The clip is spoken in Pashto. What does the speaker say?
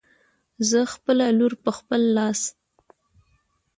زه خپله لور په خپل لاس